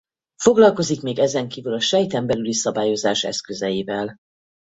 Foglalkozik még ezenkívül a sejten belüli szabályozás eszközeivel.